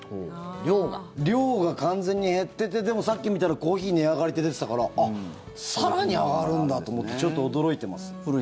量が完全に減っててでも、さっき見たらコーヒー値上がりって出てたからあっ、更に上がるんだと思ってちょっと驚いてます。